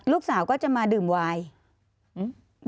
ลูกสาวก็จะมาดื่มไวน์